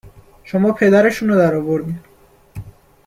شما پدرشونو در آوردین